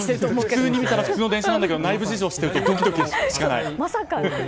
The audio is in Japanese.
普通に見たら普通の電車だけど内部事情を知っているとドキドキしかない。